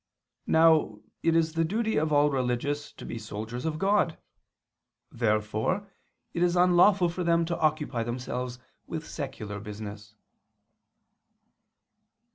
Now it is the duty of all religious to be soldiers of God. Therefore it is unlawful for them to occupy themselves with secular business.